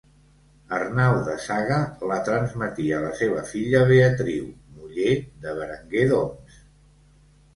Arnau de Saga la transmetia a la seva filla Beatriu, muller de Berenguer d'Oms.